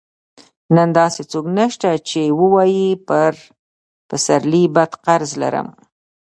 نن داسې څوک نشته چې ووايي پر پسرلي بد قرض لرم.